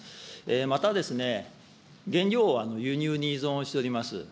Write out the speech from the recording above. また、原料を輸入に依存をしております